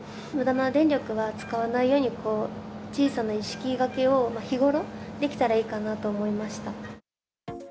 むだな電力は使わないように、小さな意識がけを日頃、できたらいいかなと思いました。